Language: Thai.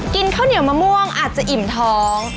ข้าวเหนียวมะม่วงอาจจะอิ่มท้อง